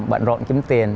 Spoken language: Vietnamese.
bận rộn kiếm tiền